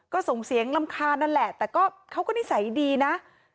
ก็ส่งเสียงรำคาญนั่นแหละแต่ก็เขาก็นิสัยดีนะ